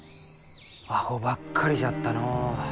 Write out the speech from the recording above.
アホばっかりじゃったのう。